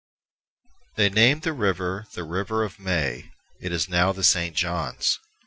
They named the river the River of May. It is now the St. John's.